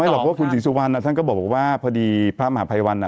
ไม่หรอกว่าคุณศีรสุวรรณน่ะท่านก็บอกว่าพอดีพระอำหาภัยวัลอ่ะ